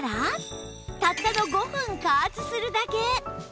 たったの５分加圧するだけ！